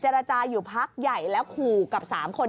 ราจาอยู่พักใหญ่แล้วขู่กับ๓คน